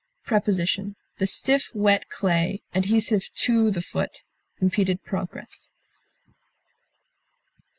Preposition: The stiff, wet clay, adhesive to the foot, impeded progress.